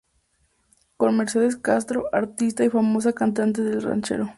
Con Mercedes Castro, artista y famosa cantante de ranchero.